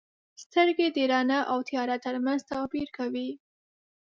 • سترګې د رڼا او تیاره ترمنځ توپیر کوي.